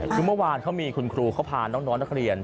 คือเมื่อวานเขามีคุณครูเขาพาน้องนักเรียน